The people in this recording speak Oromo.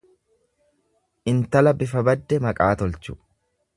Intala bifa badde maqaa tolchu.